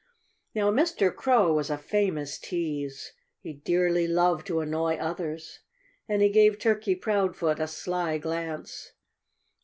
Now, Mr. Crow was a famous tease. He dearly loved to annoy others. And he gave Turkey Proudfoot a sly glance.